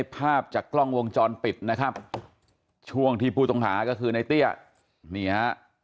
ภาพจากกล้องวงจรปิดนะครับช่วงที่ผู้ต้องหาก็คือในเตี้ยนี่ฮะ